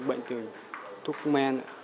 bệnh từ thuốc men